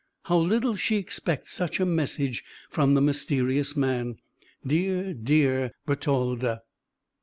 how little she expects such a message from the mysterious man dear, dear Bertalda!"